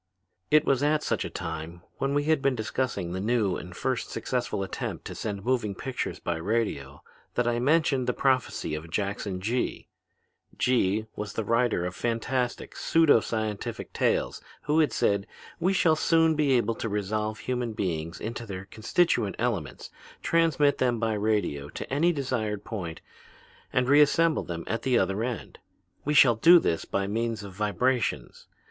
"It was at such a time, when we had been discussing the new and first successful attempt to send moving pictures by radio, that I mentioned the prophecy of Jackson Gee. Gee was the writer of fantastic, pseudo scientific tales who had said: 'We shall soon be able to resolve human beings into their constituent elements, transmit them by radio to any desired point and reassemble them at the other end. We shall do this by means of vibrations.